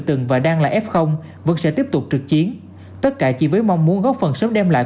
từng và đang là f vẫn sẽ tiếp tục trực chiến tất cả chỉ với mong muốn góp phần sớm đem lại